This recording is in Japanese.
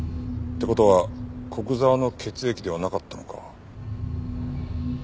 って事は古久沢の血液ではなかったのか。